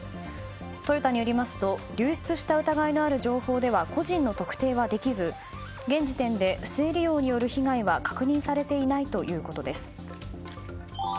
トヨタによりますと流出した疑いのある情報では個人の特定はできず現時点で不正利用による被害は確認されていないということです。